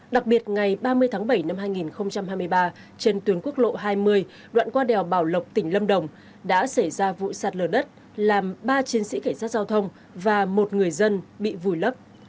đặc biệt ngày ba mươi tháng bảy năm hai nghìn hai mươi ba trên tuyến quốc lộ hai mươi đoạn qua đèo bảo lộc tỉnh lâm đồng đã xảy ra vụ sạt lở đất làm ba chiến sĩ cảnh sát giao thông và một người dân bị vùi lấp